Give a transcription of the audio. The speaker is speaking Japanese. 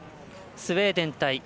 スウェーデン対